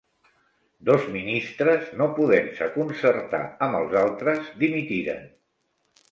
Dos ministres, no podent-se concertar amb els altres, dimitiren.